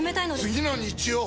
次の日曜！